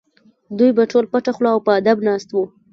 دوی به ټول پټه خوله او په ادب ناست وو.